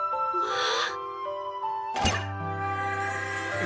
ああ！